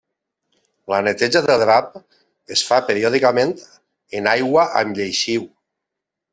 La neteja del drap es fa periòdicament en aigua amb lleixiu.